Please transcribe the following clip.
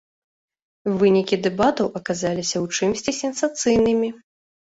Вынікі дэбатаў аказаліся ў чымсьці сенсацыйнымі.